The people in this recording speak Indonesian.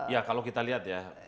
ya kalau kita lihat ya